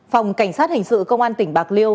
phòng cảnh sát hình sự công an tỉnh bạc liêu